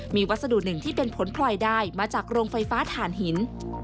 มีวัสดุหนึ่งที่เป็นผลพลอยได้มาจากโรงไฟฟ้าฐานหิน